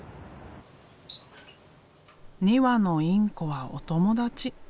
２羽のインコはお友達。